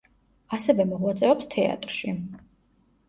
ასევე მოღვაწეობს თეატრში.